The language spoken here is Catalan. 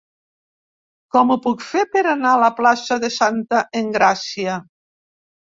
Com ho puc fer per anar a la plaça de Santa Engràcia?